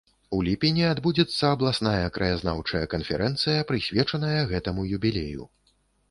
У ліпені адбудзецца абласная краязнаўчая канферэнцыя, прысвечаная гэтаму юбілею.